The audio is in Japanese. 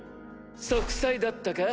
息災だったか？